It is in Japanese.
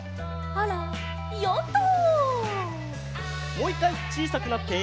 もう１かいちいさくなって。